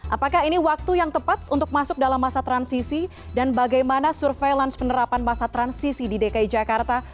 apakah ini waktu yang tepat untuk masuk dalam masa transisi dan bagaimana surveillance penerapan masa transisi di dki jakarta